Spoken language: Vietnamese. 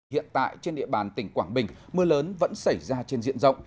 hiện tại trên địa bàn tỉnh quảng bình mưa lớn vẫn xảy ra trên diện rộng